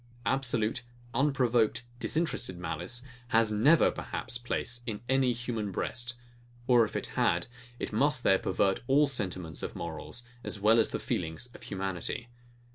Absolute, unprovoked, disinterested malice has never perhaps place in any human breast; or if it had, must there pervert all the sentiments of morals, as well as the feelings of humanity.